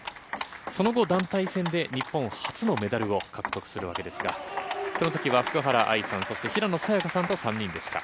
その後、団体戦で日本初のメダルを獲得するわけですが、そのときは福原愛さん、そして平野早矢香さんと３人でした。